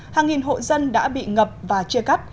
hàng nghìn hộ dân đã bị ngập và chia cắt